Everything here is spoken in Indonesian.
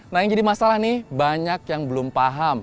nah yang jadi masalah nih banyak yang belum paham